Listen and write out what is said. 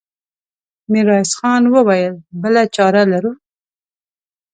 ميرويس خان وويل: بله چاره لرو؟